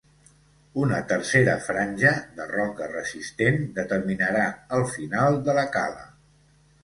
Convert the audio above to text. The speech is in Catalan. Una tercera franja, de roca resistent, determinarà el final de la cala.